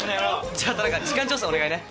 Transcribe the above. じゃあ田中時間調整お願いね。